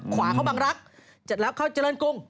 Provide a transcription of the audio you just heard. ขวาเข้าบังรักษ์เสร็จแล้วเข้าเจริญกรุง